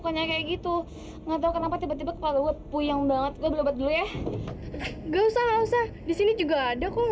oke gimana bapak udah mendingan